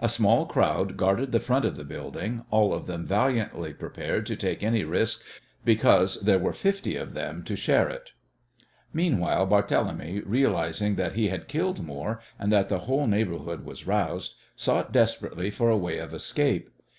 A small crowd guarded the front of the building, all of them valiantly prepared to take any risk because there were fifty of them to share it. Meanwhile Barthélemy, realizing that he had killed Moore, and that the whole neighbourhood was roused, sought desperately for a way of escape.